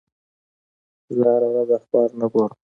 زه هره ورځ اخبار نه ګورم.